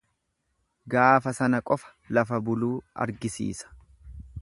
Gaafa sana qofa lafa buluu argisiisa.